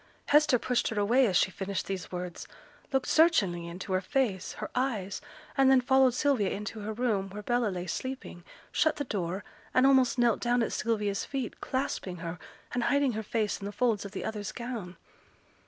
Hester pushed her away as she finished these words; looked searchingly into her face, her eyes, and then followed Sylvia into her room, where Bella lay sleeping, shut the door, and almost knelt down at Sylvia's feet, clasping her, and hiding her face in the folds of the other's gown.